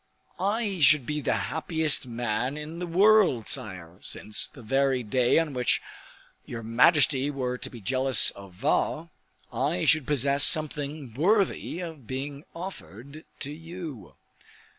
"I should be the happiest man in the world, sire, since the very day on which your majesty were to be jealous of Vaux, I should possess something worthy of being offered to you."